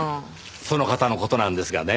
その方の事なんですがね。